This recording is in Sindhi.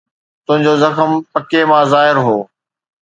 تنهنجو زخم پڪي مان ظاهر هو